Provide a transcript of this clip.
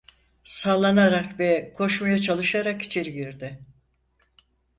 Sallanarak ve koşmaya çalışarak içeri girdi...